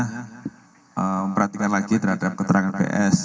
kita memperhatikan lagi terhadap keterangan ps